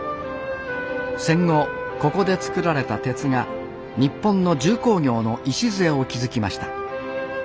戦後ここでつくられた鉄が日本の重工業の礎を築きました